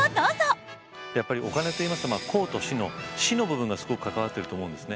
やっぱりお金といいますと公と私の私の部分がすごく関わってると思うんですね。